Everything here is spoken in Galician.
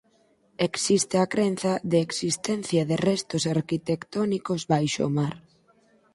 Existe a crenza da existencia de restos arquitectónicos baixo o mar.